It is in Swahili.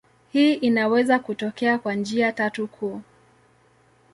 Hii inaweza kutokea kwa njia tatu kuu.